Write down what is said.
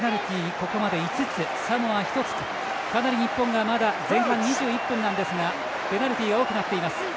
ここまで５つ、サモア１つとかなり日本がまだ前半２１分なんですがペナルティー多くなっています。